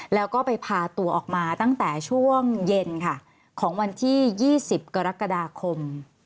แล้วก็ไปพาตัวออกมาตั้งแต่ช่วงเย็นค่ะของวันที่๒๐กรกฎาคม